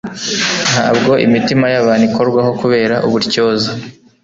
Ntabwo imitima yabantu ikorwaho kubera ubutyoza